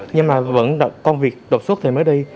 nhưng mà vẫn công việc đột xuất thì mới đi